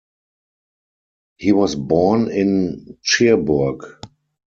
He was born in Cherbourg.